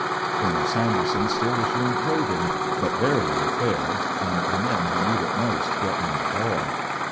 Col. Sanderson still issuing clothing, but very unfair, and the men who need it most ^et none at all.